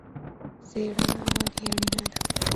څیړنه ولې اړینه ده؟